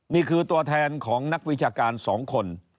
นี่คือตัวแทนของนักวิชาการ๒คน